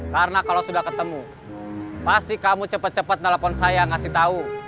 karena kalau sudah ketemu pasti kamu cepat cepat nelfon saya ngasih tau